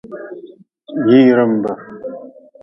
Yiirimb.